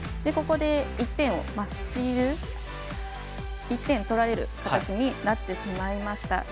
ここで１点を取られる形になってしまいました。